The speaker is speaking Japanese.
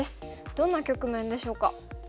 どんな局面でしょうか。